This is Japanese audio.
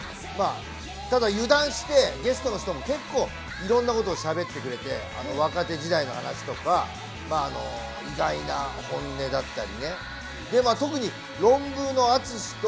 ただ油断してゲストの人も結構いろんなことしゃべってくれて、若手時代の話とか、意外な本音だったり。